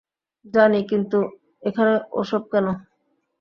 জানি, কিন্তু এখানে ও-সব কেন।